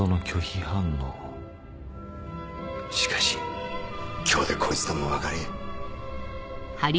しかし今日でこいつともお別れや。